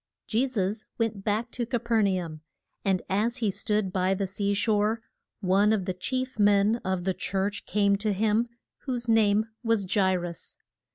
JE SUS went back to Ca per na um. And as he stood by the sea shore, one of the chief men of the church came to him, whose name was Ja i rus.